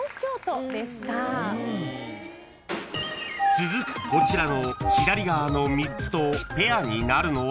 ［続くこちらの左側の３つとペアになるのは］